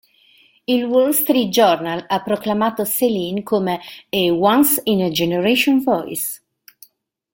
Il Wall Street Journal ha proclamato Céline come "a once in a generation voice".